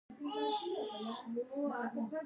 په هره خونه کښې لس لس کسان پرېوتل.